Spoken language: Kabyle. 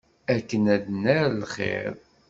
Akken ad nerr lxir.